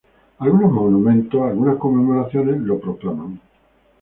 Algunos monumentos, algunas conmemoraciones lo proclaman...".